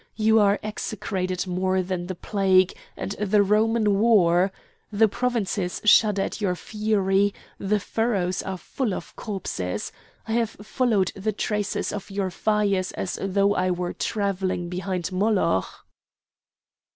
You are execrated more than the plague, and the Roman war! The provinces shudder at your fury, the furrows are full of corpses! I have followed the traces of your fires as though I were travelling behind Moloch!"